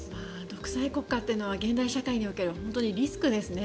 独裁国家というのは現代社会におけるリスクですね。